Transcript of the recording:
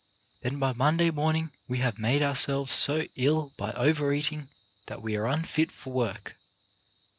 Then by Monday morning we have made ourselves so ill by overeating that we are unfit for work.